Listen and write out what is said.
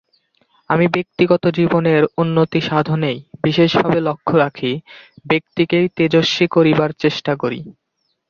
আমি ব্যক্তিগত জীবনের উন্নতিসাধনেই বিশেষভাবে লক্ষ্য রাখি, ব্যক্তিকেই তেজস্বী করিবার চেষ্টা করি।